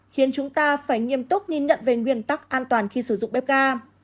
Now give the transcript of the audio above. khiến chúng ta phải nghiêm túc nhìn nhận về nguyên tắc an toàn khi sử dụng bếp ga